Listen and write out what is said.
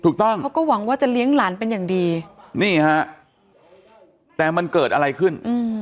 เขาก็หวังว่าจะเลี้ยงหลานเป็นอย่างดีนี่ฮะแต่มันเกิดอะไรขึ้น